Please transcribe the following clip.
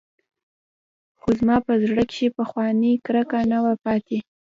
خو زما په زړه کښې پخوانۍ کرکه نه وه پاته.